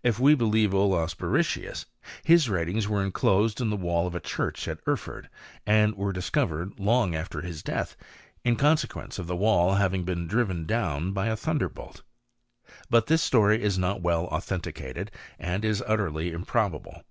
If t*i believe Olaus Borrichius, his writings were enclosdl in the wall of a church at Erford, and were discoverai 0? A^CHYMY. 46. long after his death, in consequence of the wall having been driven down by a thunderbolt. But this story is not well authenticated, and is utterly improbable.'